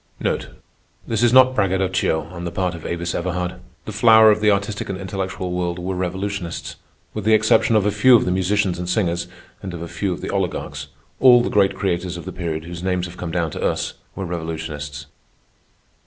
This is not braggadocio on the part of Avis Everhard. The flower of the artistic and intellectual world were revolutionists. With the exception of a few of the musicians and singers, and of a few of the oligarchs, all the great creators of the period whose names have come down to us, were revolutionists.